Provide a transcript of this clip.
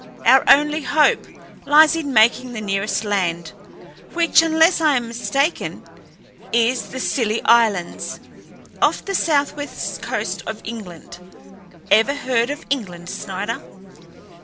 Our only hope lies in making the nearest land, which, unless I am mistaken, is the Scilly Islands, off the southwest coast of England. Ever heard of England, Snider?"